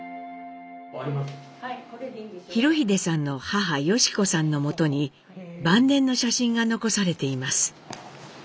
裕英さんの母良子さんのもとに晩年の写真が残されています。